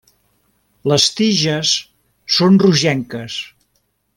Les tiges són rogenques.